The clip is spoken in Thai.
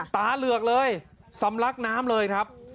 ตาเหลือกเลยสำลักน้ำเลยครับ